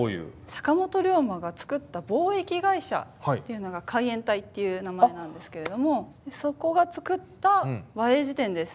坂本龍馬がつくった貿易会社っていうのが海援隊っていう名前なんですけれどもそこが作った和英辞典です。